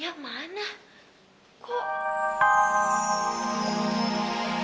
apa yang tante mau katakan